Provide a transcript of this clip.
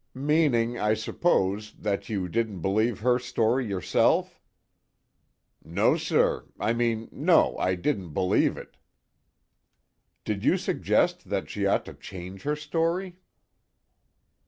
"Meaning, I suppose, that you didn't believe her story yourself?" "No, sir I mean no, I didn't believe it." "Did you suggest that she ought to change her story?"